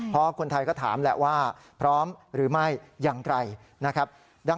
เพราะคนไทยก็ถามแหละว่าพร้อมหรือไม่อย่างไรนะครับ